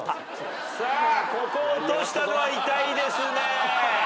ここを落としたのは痛いですね。